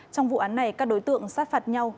trong vụ án này các đối tượng sát phạt nhau